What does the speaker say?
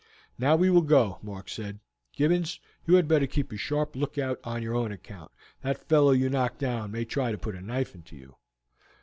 "Now we will go," Mark said. "Gibbons, you had better keep a sharp lookout on your own account. That fellow you knocked down may try to put a knife into you."